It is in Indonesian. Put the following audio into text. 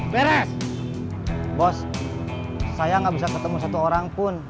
bos saya enggak bisa ketemu satu orang pun